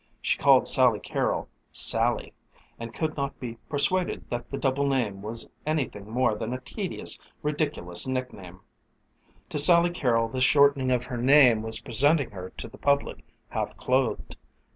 She called Sally Carrol "Sally," and could not be persuaded that the double name was anything more than a tedious ridiculous nickname. To Sally Carrol this shortening of her name was presenting her to the public half clothed.